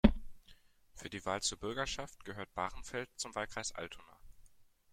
Für die Wahl zur Bürgerschaft gehört Bahrenfeld zum Wahlkreis Altona.